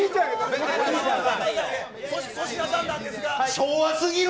昭和すぎる。